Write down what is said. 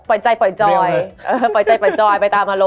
มันทำให้ชีวิตผู้มันไปไม่รอด